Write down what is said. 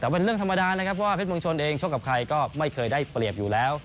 แต่เป็นเรื่องธรรมดานะครับเพราะว่าเพชรเมืองชนเองชกกับใครก็ไม่เคยได้เปรียบอยู่แล้ว